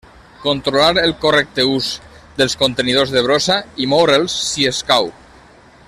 Controlar el correcte ús dels contenidors de brossa i moure'ls, si escau.